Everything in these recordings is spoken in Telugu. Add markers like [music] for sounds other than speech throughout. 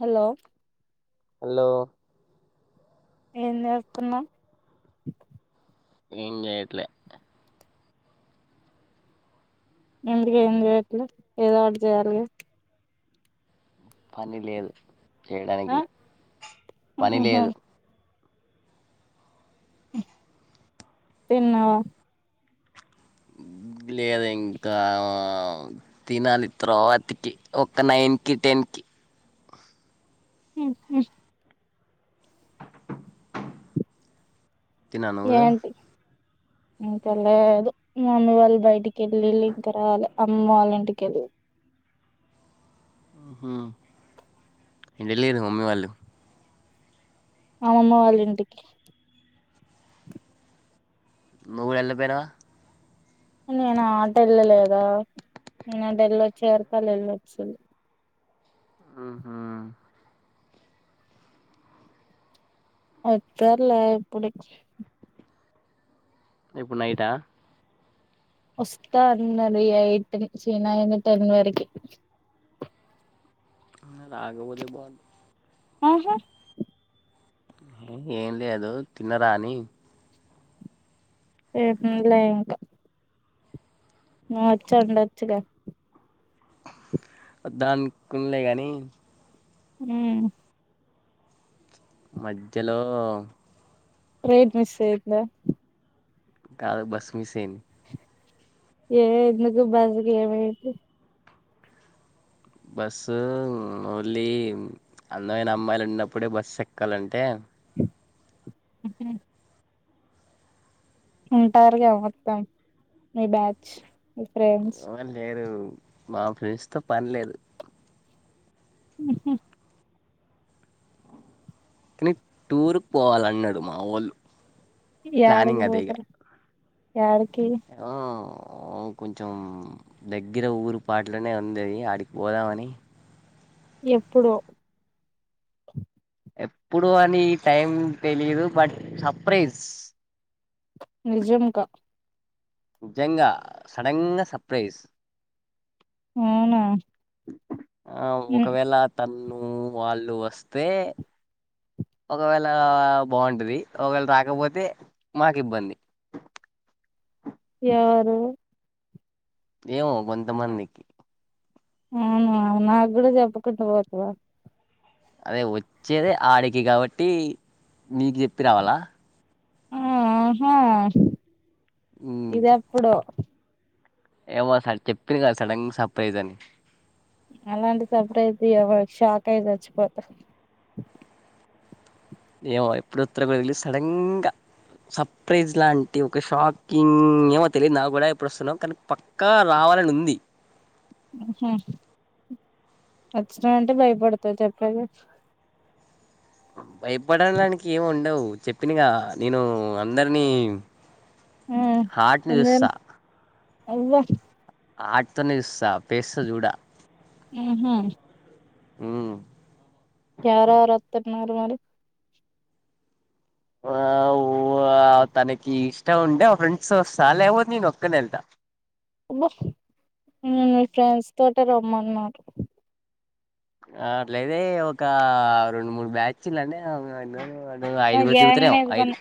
హలో హలో ఏం చేస్తున్నావ్ ఏం చేయట్లే ఎందుకు ఏం చెయట్లే ఏదో ఒకటి చేయాలిగ పని లేదు ఆ చేయడానికి పని ఆహాహా లేదు తిన్నావా లేదే ఇంకా తినాలి తర్వాతికి ఒక నైన్ కి టెన్ కి మ్ హు తిన్నవ నువ్ ఏంటి ఇంకా లేదు మా మమ్మీ వాళ్ళు బయటికి వెళ్ళిళ్ళు ఇంక రాలే అమ్మ వాళ్ళ ఇంటికెళ్ హు ఏంటే ళ్ళిర్రు మమ్మీ వాళ్ళు మా అమ్మమ్మ వాళ్ళింటికి నువ్వు కుడా ఏళ్ళపోయినావ్ నేను ఆటు వెళ్ళలేదా నేను అటు వెళ్ళోచే వరకు వాళ్ళు వెళ్ళొచ్చిళ్ళు ఆహా అతేర్లే ఇప్పుడు ఇప్పుడు నైటా వస్తా అన్నారు ఈ ఎయిట్ చి నైన్ టెన్ వరకి రాకపోతే బాగుండు ఆహా ఏం లేదు తిన్నరా అని ఏ తినలే ఇంకా నువ్ వచ్చి వండోచ్చుగా వదం అనుకుం లే కాని మ్ మధ్యలో ట్రక్ మిస్ అఇందా కాదు బస్మిసైంది ఏ ఎందుకు బస్కి ఏమైంది బస్సు ఓన్లీ అందమైన అమ్మాయిలు ఉన్నప్పుడే బస్సు ఎక్కాలంటే మ్ హు ఉంటారుగా మొత్తం మీ బ్యాచ్ మీ ఫ్రెండ్స్ ఎవ్వరు లేరు మా ఫ్రెండ్స్ తో పని లేదు మ్ హు కానీ టూర్కు పోవాలన్నాడు మా వాళ్ళు యాడికి పోతరు ఎయాడ్కి ఆ కొంచెం దగ్గర ఊరు పాట్లనే ఉంది అది ఆడికి పోదామని ఎప్పుడో ఎప్పుడు అని టైం తెలియదు బట్ సర్ప్రైజ్ నిజంగ నిజంగా సడన్గా సర్ప్రైజ్ అవునా ఆ ఉమ్, ఒకవేళ తన్ను వాళ్ళు వస్తే ఒకవేళ బాగుంటది. ఒకవేళ రాకపోతే నాక్ ఇబ్బంది. ఎ ఎవరు? ఏమో కొంతమందికి అవునా నాక్ గుడా చెప్పకుంట పోతవా అదే వచ్చేదే ఆడికి కాబట్టి నీకి చెప్పి రావాలా? ఆహా ఉమ్, ఇదెప్పుడో ఏమో సార్ చెప్పిండ్ కదా సడన్ సర్ప్రైజ్ అని అలాంటి సర్ప్రైజ్ ఇయ్యమాక్ షాక్ అయి సచ్చిపోతా. ఏమో మరి ఎప్పుడొస్తరో గుడా తెలీద్ సడన్గ సర్ప్రైజ్ లాంటి ఒక షాకింగ్ ఏమో తెలీద్ నా గుడా ఎప్పుడొస్తనో కనీ పక్కా రా రావాలన్ ఉంది. మ్ హ్ వచ్చిన అంటే భయపడుతా చెప్పెల్లు భయపడడానికి ఏం ఉండవు చెప్పినగా నేనూ అందర్నీ ఆ హార్ట్ని అందరు చూస్తా. అవ్వ హార్ట్తోనే చూస్తా పేస్తో చూడ మ్ హ్ మ్ ఎవరెవర్ వత్తున్నారు మరి ఆ ఊ అ ఆ తనకి ఇష్టం ఉంటే మా ఫ్రెండ్స్తో వస్తా లేకపోతే నేను ఒక్కనే ఎళ్తా మ్ మీ ఫ్రెండ్స్తోటే రమ్మన్నారు. ఆ అట్లైతే ఇగ ఒకా రొండు, మూడు బ్యాచ్లు అంటే [unintelligible] ఆ గ్యాంగ్ దిగుతారేమో ఐదు నేస్కొన్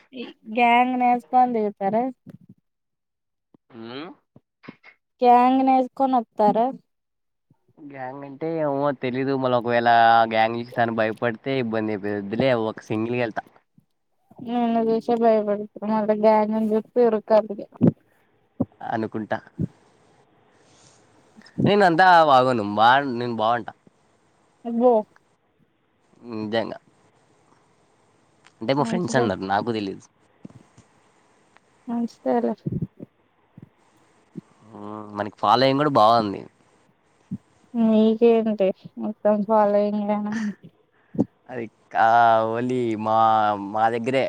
గ్యాంగ్ నేస్కొన్ దిగుతారా ఆ గ్యాంగ్ నేస్కొన్ వత్తారా గ్యాంగ్ అంటే ఏమో తెలీదు మళ్ళ ఒకవేళ గ్యాంగ్ చూసి తను భయపడ్తే ఇబ్బంది అయిపోతద్ వద్దులే ఒక సింగిల్గెళ్తా. నిన్ను చూసే భయపడతు మళ్ళ గ్యాంగున్ చూత్తే ఉరకాలిగ. అనుకుంటా నేన్ అంతా బాగోను బాన్ నేన్ బాగుంట. అబ్బో నిజంగ అంటే మా ఫ్రెండ్స్ మంచిదే అన్నరు నాకు తెలీదు. మంచిదేలే ఆ మనకి ఫాలోయింగ్ గుడ బాగుంది. నీకేంటి మొత్తం ఫాలోయింగ్ అయినా అది కా ఓన్లీ మా మా దగ్గరే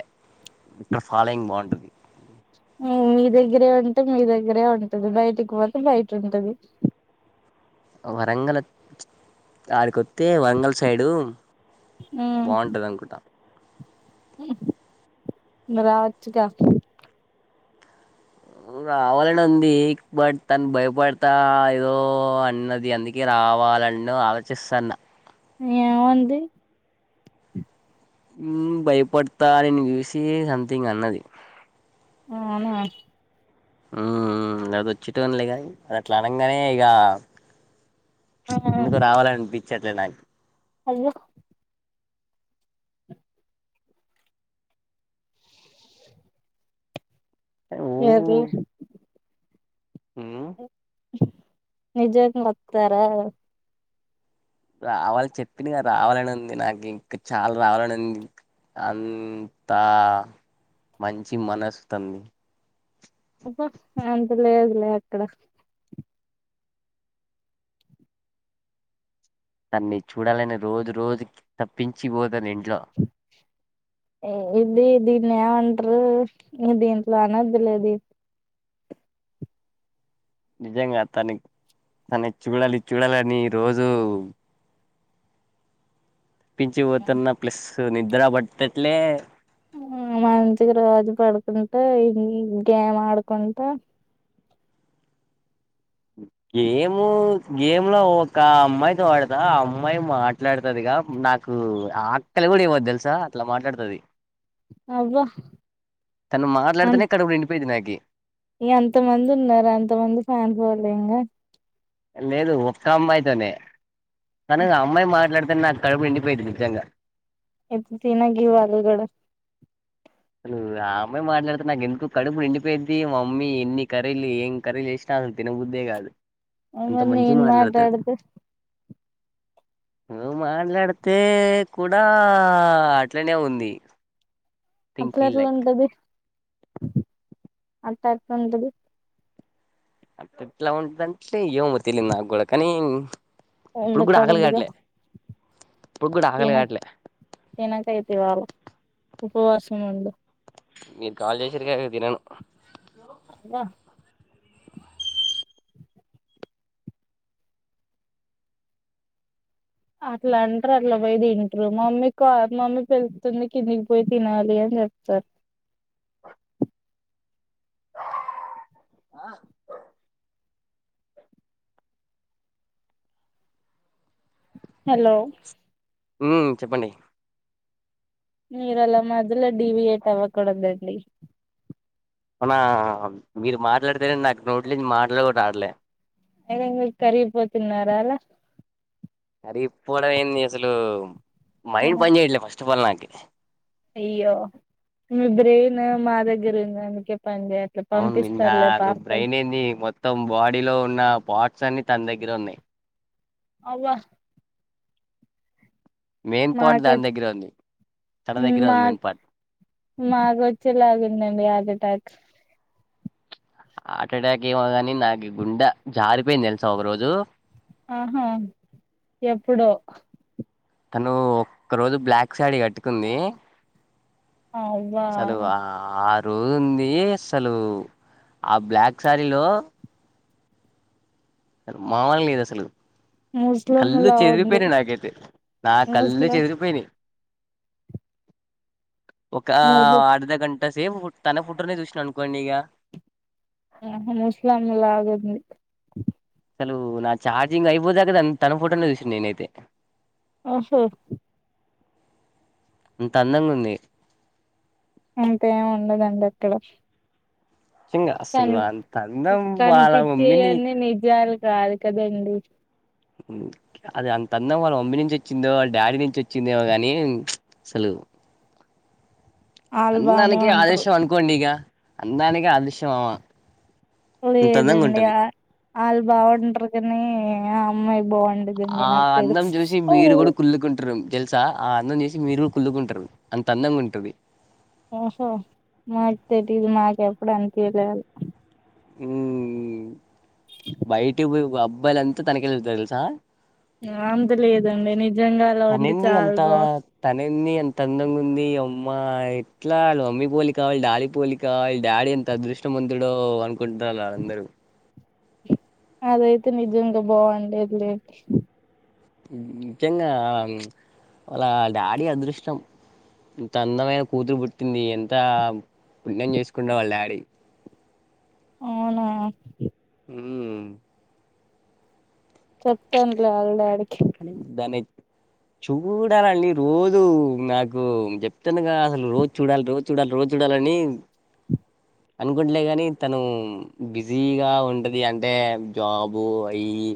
ఇక్కడ ఫాలోయింగ్ బాగుంటది. మ్ మీ దగ్గరే ఉంటే, మీ దగ్గరే ఉంటది బైటిక్ పోతే బైటుంటది. ఆ వరంగల్ అత్ ఆడికొ త్తే వరంగల్ సైడు బాగుంటదన్కుంటా. మరి రావచ్చుగ. రావాలని ఉంది బట్ తను భయపడుతా ఏదో అన్నది అందుకే రా రవాలన్న ఆలోచిస్తాన్న ఏమంది మ్ భయపడుత నిన్ను చూసి సంథింగ్ అన్నది అవునా మ్ మ్ లేపోతే వచ్చేటోన్ని లేగాని అది అట్లా అనంగానే ఇగ ఆ ఎందుకో రావాలనిపించట్లే నాకు అయ్యో ఓ ఏది మ్ నిజంగా వత్తరా రావాలి చెప్పినగా రావాలని ఉంది నాకు ఇంకా చాలా రావాలని ఉంది అంతా మంచి మనసుతనది అబ్బ్ అంతలేదు లే అక్కడ దాన్ని చూడాలని రోజు రోజుకి తప్పించి పో ఏందీ దీన్ని ఎమన్ రు దీంట్లో అనోద్దులే అది నిజంగా తనక్ తనకి చూడాలి చూడాలీ అని రోజు తప్పించిపోతున్న ప్లస్ నిద్ర పట్టట్లే మంచిగా రోజు పడుకుంట గేమ్ ఆడుకుంట గేము గేమ్ లో ఒక అమ్మాయితో అడుత ఆ అమ్మాయి మాట్లాడుతదిగా నాకు ఆ అక్కలి కూడా ఏవ్వద్దు తెలుసా అట్లా మాట్లాడుతది అవ్వ తను మాట్లాడితేనే కడుపు నిండిపోయింది నాకి ఇగ అంత మంది ఉన్నారు అంత మంది ఫ్యాన్ ఫాలో ఇంగ లేదు ఒక్క అమ్మాయితోనే కని అమ్మాయి మాట్లాడు నాకు కడపు నిండి పోఇద్ధి నిజంగ ఏప్ తిన గివ్ ఆలుగడ అసలు ఆ అమ్మాయి మాట్లాడుతె నాకు ఎందుకో కడుపు నిండిపోయిద్ది మా మమ్మి ఎన్ని కరీలు ఏం కరీచేసినా అసలు తినబుద్ దే కాదు అ అంత మరి మంచిగా నీను మాట్లాడుతది మాట్లాడుతె నువ్వు మాట్లాడితే కూడా అట్లనే ఉంది థింక్ అట్ల ఫీల్ ఎట్లా లైక్ ఉంటది అట్లా ఎట్ల ఉంటది అట్ల ఎట్ల ఉంటదంటే ఏమో తెలియదు నాకు కూడా కానీ ఇప్పుడు ఎందుకు కూడా ఆకలి అడుగుడు కాట్లే ఇప్పుడు కూడా ఆకలి తినక్ కాట్లే తినక్ అయితే ఇవాళ ఉపవాసం ఉండు మీరు కాల్ చేసిర్రు గ ఇగ తినను అబ్బ అట్లా అంటారు అట్లా పోయి తింట్రూ మమ్మీ కా మమ్మీ పెళ్తుంది కిందికి పోయి తినాలి అని చెప్తారు ఆ హలో మ్ చెప్పండి? మీరలా మధ్యల డివియేట్ అవ్వకూడదండి. అవునా మీరు మాట్లాడ్తేనే నాక్ నోట్లో నుంచి మాటల్ గుడా రావట్లే ఏమైంది కరిగిపోతున్నారా అలా కరిపోవడం ఏంది అసలూ మైండ్ పని చేయట్లే ఫస్ట్ అఫ్ ఆల్ నాకి అయ్యో! మీ బ్రేయిన్ మా దగ్గరుంది అందుకే పని చేయట్లే అవును నిన్నా పంపిస్తారులే పార్సల్ బ్రెయిన్ ఏంది మొత్తం బాడీలో ఉన్న పోర్ట్స్ అన్ని తన్ దగ్గరే ఉన్నయి. అవ్వ మెయిన్ పాట్ దాన్ దగ్గరే ఉంది. తన మ్ దగ్గర ఉంది మెయిన్ మాక్ పార్ట్ మాకొచ్చేలాగుందండి హార్టెటాక్ ఆ హార్టెటాక్ ఏమో గని నాకి గుండె జారిపోయింది తెల్సా ఒక రోజు ఆహా ఎప్పుడో? తను ఒక్క రోజు బ్లాక్ సారీ కట్టుకుంది. అవ్వా అసలు ఆ... రోజుంది అస్సలు ఆ బ్లాక్ సారీలో మామూల్గ లేద్ అసలు ముస్లిం కళ్ళు లా ఉంది చెదిరిపోయినయి నాకైతే నా కళ్ళు ముస్లిం చెదిరిపోయినయి. ఒకా ముస్ అర్ధ గంట సేపు తన ఫోటోనే చూసినా అనుకోండి ఇగ ఆహ ముస్లామ లాగుంది. అసలు నా ఛార్జింగ్ అయిపోయే దాక తన ఫోటోనే చూసింన్ నేనైతే ఓహో అంత అందంగుంది. అంతేం ఉండదండి అక్కడ నిజంగా అసలు కన్ అంత అందం వాళ్ళ మమ్మీని కనిపిచ్చేయన్నీ నిజాలు కాదు కదండి. అది అంత అందం వాళ్ళ మమ్మీ నుంచి వచ్చిందో వాళ్ళ డాడీ నుంచి వచ్చిందేమో గనీ అసలు ఆ అందానికే ఆదేశం అనుకోండిగ అందానికే ఆదేశం ఆమా లేదండి అ ఆళ్ళు బాగుంటర్ కనీ ఆ అమ్మాయి బాగుం ఆ అందం చూసి మీరు గుడా కుళ్లుకుంటరు. తెల్సా ఆ అందం చూసి మీరు కూడా కుళ్లుకుంటరు అంత అందంగుంటది. ఓహో మాక్ తెలీదు మాకెప్పుడు అన్పీయలే అంత ఉమ్ అబ్బాయిలంత తనకెళ్ళే చూస్తర్ తెల్సా ఆ అంత లేదండి ని తనేంది అంతా తనేంది అంత అందంగుంది అ మ్మాయి ఎట్లా వాళ్ళ మమ్మీ పోలికా వాళ్ళ డాడీ పోలికా వీళ్ళ డాడీ ఎంత అదృష్టమంతుడో అన్ కుంటాన్లు అందరు అదైతే నిజంగ బాగుండేద్ లెండి. నిజంగా అలా వాళ్ళ డాడీ అదృష్టం. ఇంత అందమైన కూతురు పుట్టింది ఎంతా పుణ్యం చేస్కుండో వాళ్ళ డాడీ అవునా ఉమ్ చెప్తాన్లే ఆళ్ళ డాడీక్ దాని చూడాలండి రోజూ నాకు చెప్తున్నగా అసలు రోజ్ చూడాల్ రోజ్ చూడాల్ రోజ్ చూడాలనీ అనుకుంటలే గనీ తను బిజీగా ఉంటది అంటే జాబు అయి ఇ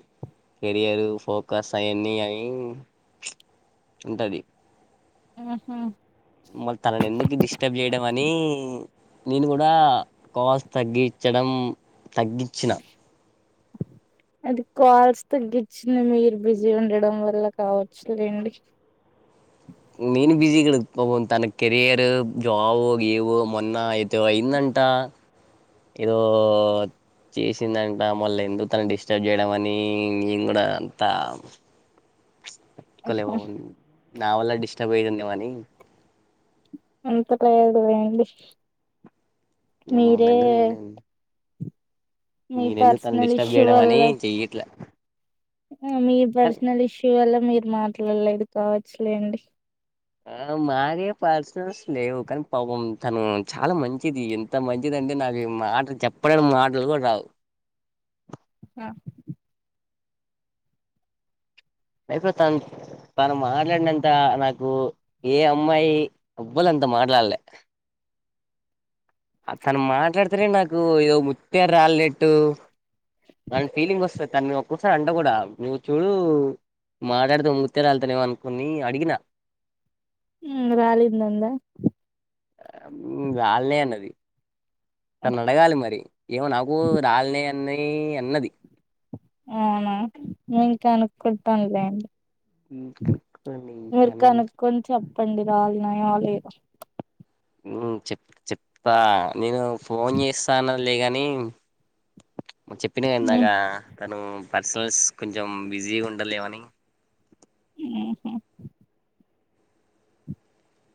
కెరియర్, ఫోకస్ అయన్నీ అయి ఉంటది. ఆహా! మరి తననెందుకు డిస్టర్బ్ చేయడమనీ నేన్ గుడా కాల్స్ తగ్గిచ్చడం, తగ్గిచ్చిన అయితే కాల్స్ తగ్గిచ్చింది మీరు బిజీ ఉండడం వల్ల కావచ్చులెండి. నేను బిజీ ఇక్కడ పాపం తన కెరియర్ జాబ్ గీబ్ మొన్న అయితే అయిందం టా ఏదో..... చేసిందంట. మళ్ళ ఎందుకు తనన్ డిస్టర్బ్ చేయడం అని నేన్ గుడా అంత నా వల్ల డిస్టర్బ్ అయితుందేమో అని అంత లేదులెండి. రమ్మనండు నిన్నా మీ నేనెందుక్ తనన్ పర్సనల్ డిస్టర్బ్ ఇష్యూ చేయడం అనీ వల్ల చెయ్యట్లా. మీ పర్సనల్ ఇష్యూ వల్ల మీరు మాట్లాడ్లేదు కావచ్చు లెండి. ఆ మాకే పర్సనల్స్ లేవు కనీ పాపం తను చాలా మంచిది ఎంత మంచిదం టే నాకు మాటల్ చెప్పడానిక్ మాటల్ కూడా రావ్ ఆ లైఫ్లో తన్ తను మాట్లాడినంత నాకు ఏ అమ్మాయి ఎవ్వలం త మాట్లాడ్లే. తను మాట్లాడ్తెనే నాకు ఏదో ముత్యాల్ రాలినట్టు అలాంటి ఫీలింగ్ వస్తది. తనన్ ఒక్కొక్కసారి అంట కూడా నువ్వు చూడు మాట్లాడ్తె ముత్యాల్ రాల్తయేమో అనుకొని అడిగినా రాలిందందా రాల్నై అన్నది. తనను అడగాలె మరి ఏమో నాకు రాల్నై అన్నయ్ అన్నది. అవునా నేన్ కనుక్కుంటాన్ లెండి. మీర్ కానీ కనుక్కొన్ చెప్పండి రాలినయా లేదా మ్ చెప్ చెప్తా నేను ఫోన్ చేస్తా అన్నదిలే గనీ చెప్పినగా ఇందాకా తను పర్సనల్స్ కొంచం బిజీగుం టలేవని ఆ హ